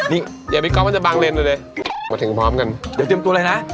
นี่เดี๋ยวพี่ก๊อฟมันจะบางเลนไปเลยมาถึงพร้อมกันเดี๋ยวเตรียมตัวเลยนะ